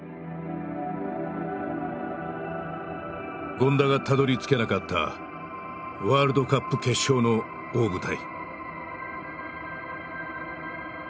権田がたどりつけなかったワールドカップ決勝の大舞台。